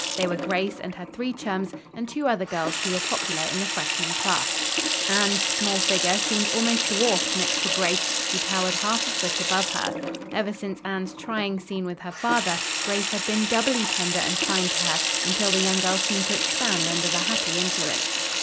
They were Grace and her three chums and two other girls who were popular in the freshman class. Anne's small figure seemed almost dwarfed next to Grace, who towered half a foot above her. Ever since Anne's trying scene with her father, Grace had been doubly tender and kind to her, until the young girl seemed to expand under the happy influence.